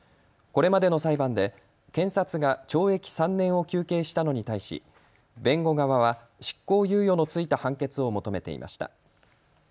これまでの裁判で検察が懲役３年を求刑したのに対し、弁護は執行猶予の付いた判決を求めていました。